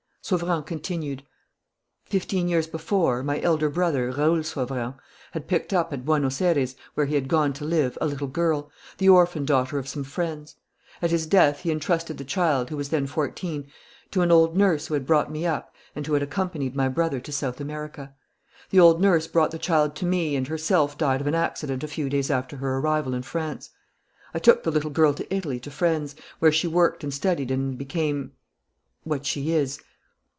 Sauverand continued: "Fifteen years before, my elder brother, Raoul Sauverand, had picked up at Buenos Aires, where he had gone to live, a little girl, the orphan daughter of some friends. At his death he entrusted the child, who was then fourteen, to an old nurse who had brought me up and who had accompanied my brother to South America. The old nurse brought the child to me and herself died of an accident a few days after her arrival in France.... I took the little girl to Italy to friends, where she worked and studied and became what she is.